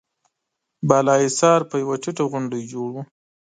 بالا حصار پر يوه ټيټه غونډۍ جوړ و.